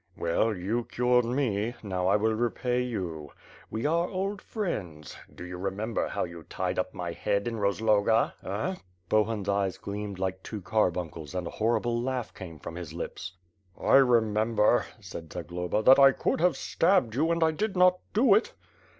"Well, you cured me; Now I will repay you. We are old friends. Do you remember how you tied up my head in Rozloga? Eh?'\ Bohun's eyes gleamed like two carbuncles and a horrible laugh came from his lips. "I remember," said Zagloba, "that I could have stabbed you, and I did not do it."